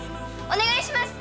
お願いします！